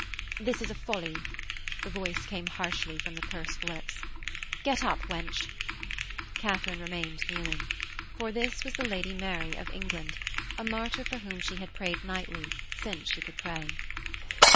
'This is a folly,' the voice came harshly from the pursed lips. 'Get up, wench.' Katharine remained kneeling. For this was the Lady Mary of England a martyr for whom she had prayed nightly since she could pray.